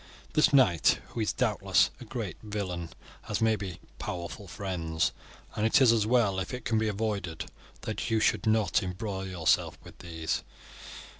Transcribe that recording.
This knight, who is doubtless a great villain, has maybe powerful friends, and it is as well, if it can be avoided, that you should not embroil yourself with these.